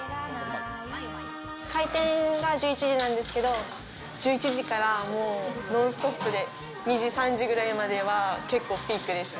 開店が１１時なんですけど１１時からは、もうノンストップで２時、３時くらいまでは結構ピークですね。